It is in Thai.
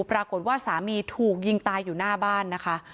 ปรากฏว่าสามีถูกยิงตายอยู่หน้าบ้านนะคะ